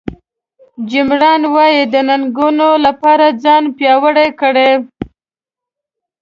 جیم ران وایي د ننګونو لپاره ځان پیاوړی کړئ.